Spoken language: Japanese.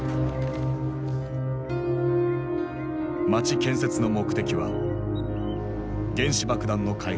街建設の目的は原子爆弾の開発。